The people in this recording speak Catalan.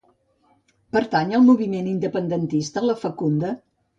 Pertany al moviment independentista la Facunda?